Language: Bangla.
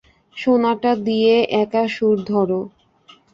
সোনাটা দিয়ে একা সুর ধরো।